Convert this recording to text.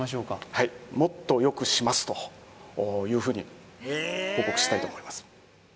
はいもっとよくしますというふうに報告したいと思います